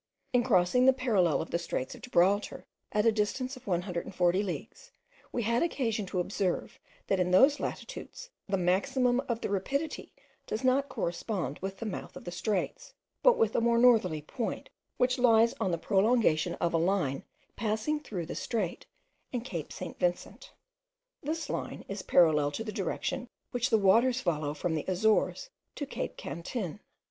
In crossing the parallel of the straits of Gibraltar, at a distance of 140 leagues, we had occasion to observe, that in those latitudes the maximum of the rapidity does not correspond with the mouth of the straits, but with a more northerly point, which lies on the prolongation of a line passing through the strait and Cape St. Vincent. This line is parallel to the direction which the waters follow from the Azores to Cape Cantin.